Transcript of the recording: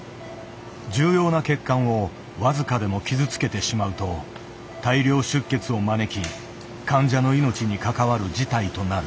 重要な血管を僅かでも傷つけてしまうと大量出血を招き患者の命に関わる事態となる。